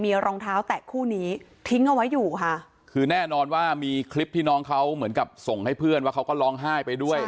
มีรองเท้าแตะคู่นี้ทิ้งเอาไว้อยู่ค่ะคือแน่นอนว่ามีคลิปที่น้องเขาเหมือนกับส่งให้เพื่อนว่าเขาก็ร้องไห้ไปด้วย